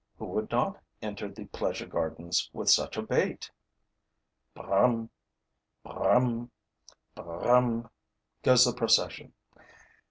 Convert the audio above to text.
Who would not enter the pleasure gardens, with such a bait? 'Br r r rum! Br r r rum! Br r r rum!' goes the procession.